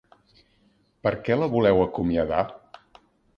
Per què la voleu acomiadar?